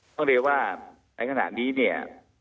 ต้องเรียกว่าในขณะนี้เนี่ย